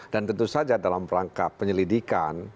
dan tentu saja dalam rangka penyelidikan